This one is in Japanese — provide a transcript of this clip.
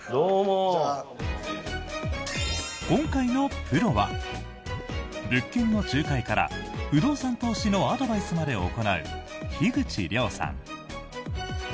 今回のプロは、物件の仲介から不動産投資のアドバイスまで行う樋口龍さん。